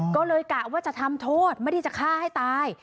ก็เลยกะว่าจะทำโทษไม่ได้จะฆ่าให้ตาย